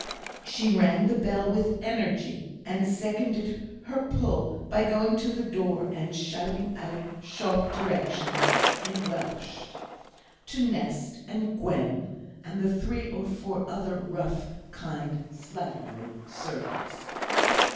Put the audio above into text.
She rang the bell with energy, and seconded her pull by going to the door and shouting out sharp directions, in Welsh, to Nest and Gwen, and three or four other rough, kind, slatternly servants.